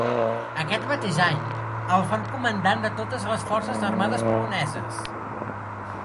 Aquest mateix any el fan comandant de totes les forces armades poloneses.